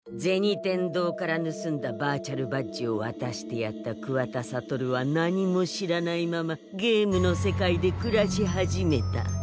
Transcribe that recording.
天堂からぬすんだバーチャルバッジをわたしてやった桑田悟は何も知らないままゲームの世界で暮らし始めた。